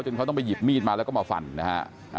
เขาต้องไปหยิบมีดมาแล้วก็มาฟันนะฮะ